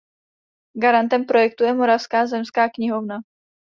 Garantem projektu je Moravská zemská knihovna.